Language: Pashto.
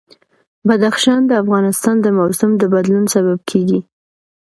بدخشان د افغانستان د موسم د بدلون سبب کېږي.